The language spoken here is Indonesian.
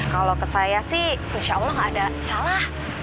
kalau ke saya sih insya allah gak ada salah